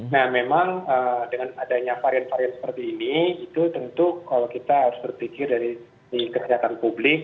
nah memang dengan adanya varian varian seperti ini itu tentu kalau kita harus berpikir dari kesehatan publik